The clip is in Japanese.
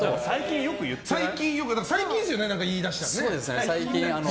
最近ですよね、言い出したの。